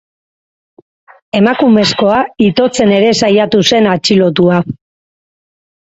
Emakumezkoa itotzen ere saiatu zen atxilotua.